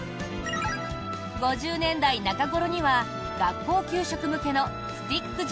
５０年代中ごろには学校給食向けのスティック状